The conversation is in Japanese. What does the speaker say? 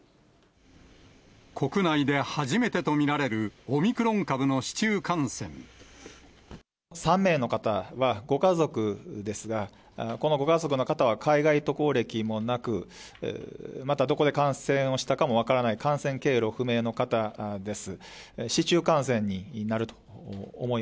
国内で初めてと見られるオミ３名の方は、ご家族ですが、このご家族の方は海外渡航歴もなく、またどこで感染をしたかも分からない、感染経路不明の方です。